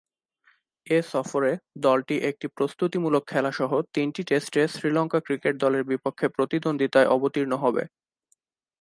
এ সফরে দলটি একটি প্রস্তুতিমূলক খেলাসহ তিনটি টেস্টে শ্রীলঙ্কা ক্রিকেট দলের বিপক্ষে প্রতিদ্বন্দ্বিতায় অবতীর্ণ হবে।